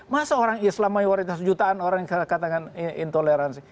masa orang islam mayoritas jutaan orang yang katakan intoleransi